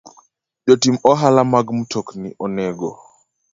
Jotim ohala mag mtokni onego